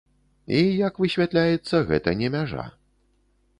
І, як высвятляецца, гэта не мяжа.